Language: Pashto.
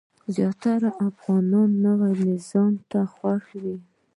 زیاتره افغانان نوي نظام ته خوښ وو.